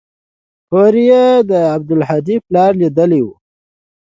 هورې يې د عبدالهادي پلار ليدلى و.